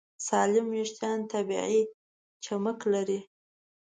سالم وېښتيان طبیعي چمک لري.